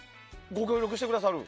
ご協力してくださる？